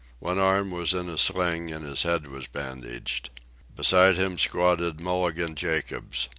One arm was in a sling and his head was bandaged. Beside him squatted Mulligan Jacobs.